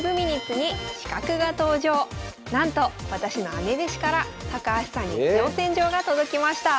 なんと私の姉弟子から高橋さんに挑戦状が届きました。